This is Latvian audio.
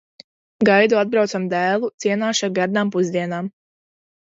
Gaidu atbraucam dēlu, cienāšu ar gardām pusdienām.